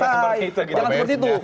jangan seperti itu